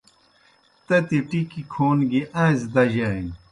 تتی ٹِکیْ کھون گیْ آئݩزیْ دجانیْ۔